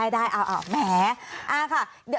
ได้แหมค่ะ